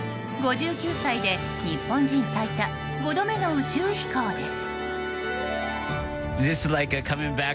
５９歳で日本人最多５度目の宇宙飛行です。